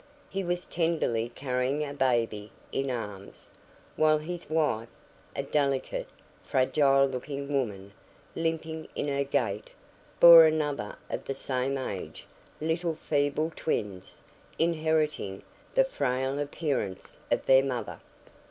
He was tenderly carrying a baby in arms, while his wife, a delicate, fragile looking woman, limping in her gait, bore another of the same age; little, feeble twins, inheriting the frail appearance of their mother.